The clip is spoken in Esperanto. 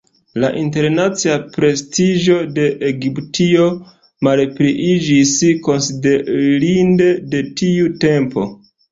La internacia prestiĝo de Egiptio malpliiĝis konsiderinde de tiu tempo.